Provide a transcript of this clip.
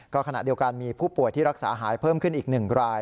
ขณะเดียวกันมีผู้ป่วยที่รักษาหายเพิ่มขึ้นอีก๑ราย